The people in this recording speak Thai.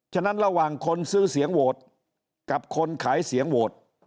ฉะนั้นระหว่างคนซื้อเสียงโหวตกับคนขายเสียงโหวต